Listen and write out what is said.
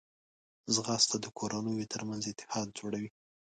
ځغاسته د کورنیو ترمنځ اتحاد جوړوي